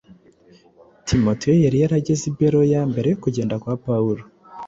Timoteyo yari yarageze i Beroya mbere yo kugenda kwa Pawulo